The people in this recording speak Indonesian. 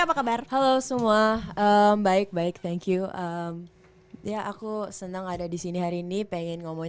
apa kabar halo semua baik baik thank you ya aku senang ada di sini hari ini pengen ngomongin